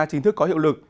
chính thức có hiệu lực